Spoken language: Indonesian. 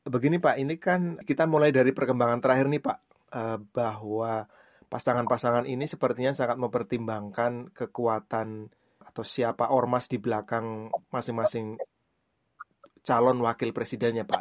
begini pak ini kan kita mulai dari perkembangan terakhir nih pak bahwa pasangan pasangan ini sepertinya sangat mempertimbangkan kekuatan atau siapa ormas di belakang masing masing calon wakil presidennya pak